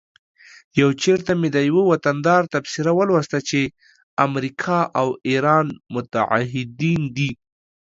یو چیرته مې د یوه وطندار تبصره ولوسته چې امریکا او ایران متعهدین دي